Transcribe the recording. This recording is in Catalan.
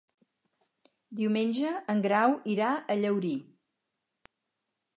Diumenge en Grau irà a Llaurí.